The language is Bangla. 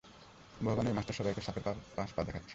ভবানী, ওই মাস্টার সবাইকে সাপের পাঁচ পা দেখাচ্ছে।